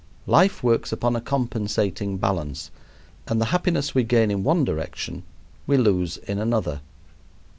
Life works upon a compensating balance, and the happiness we gain in one direction we lose in another.